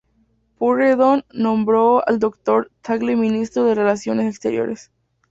Pueyrredón nombró al Dr. Tagle Ministro de Relaciones Exteriores.